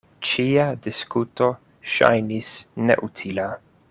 Ĉia diskuto ŝajnis neutila.